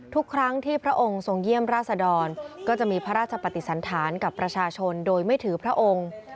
ทุกครั้งที่พระองค์ทรงเยี่ยมราษดรก็จะมีพระราชปฏิสันธารกับประชาชนโดยไม่ถือพระองค์